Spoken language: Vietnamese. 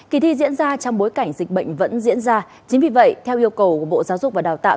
kỳ thi diễn ra trong bối cảnh dịch bệnh vẫn diễn ra chính vì vậy theo yêu cầu của bộ giáo dục và đào tạo